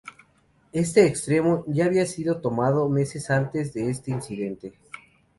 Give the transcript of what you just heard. Este extremo ya había sido tomado meses antes de este incidente.